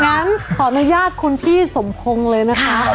งั้นขออนุญาตคุณพี่สมพงศ์เลยนะคะ